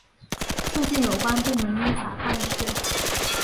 促进有关部门依法办事